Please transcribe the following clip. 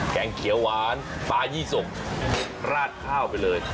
งเขียวหวานปลายี่สกราดข้าวไปเลย